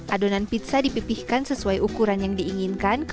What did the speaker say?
adonan pizza dipipihkan sesuai ukuran yang diinginkan